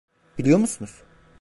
Biliyor musunuz?